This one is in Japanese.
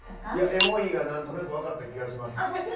「エモい」がなんとなく分かった気がします。